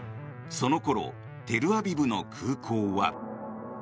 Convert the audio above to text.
その頃、テルアビブの空港は。